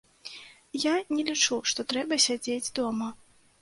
Я не лічу, што трэба сядзець дома.